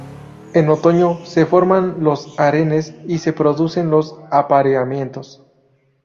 En otoño se forman los harenes y se producen los apareamientos.